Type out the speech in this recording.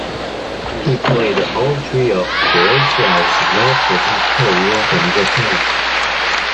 He played all three of Croatia's matches in Korea and Japan.